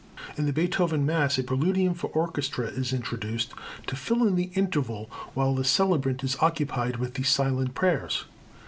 In the Beethoven Mass a Preludium for orchestra is introduced, to fill in the interval while the celebrant is occupied with these silent prayers.